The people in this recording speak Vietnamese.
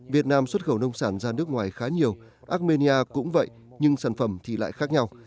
việt nam xuất khẩu nông sản ra nước ngoài khá nhiều armenia cũng vậy nhưng sản phẩm thì lại khác nhau